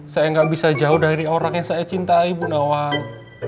saya gak bisa jauh dari orang yang saya cintai bundawang